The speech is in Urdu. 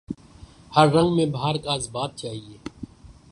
ہر رنگ میں بہار کا اثبات چاہیے